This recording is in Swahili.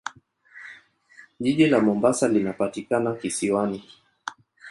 Jiji la Mombasa linapatikana kisiwani.